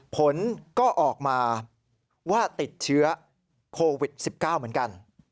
ผลก็ออกมาว่าติดเชื้อโควิด๑๙เหมือนกัน